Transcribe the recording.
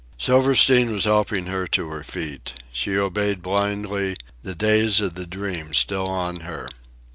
Silverstein was helping her to her feet. She obeyed blindly, the daze of the dream still on her.